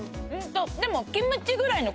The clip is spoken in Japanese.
でも。